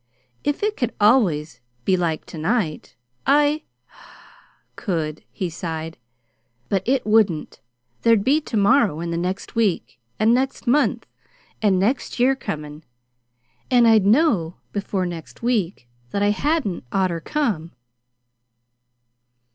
"If it could always be like to night, I could," he sighed. "But it wouldn't. There'd be to morrow, and next week, and next month, and next year comin'; and I'd know before next week that I hadn't oughter come."